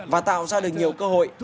và tạo ra được nhiều cơ hội